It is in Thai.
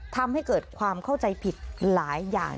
ทำให้เกิดความเข้าใจผิดหลายอย่าง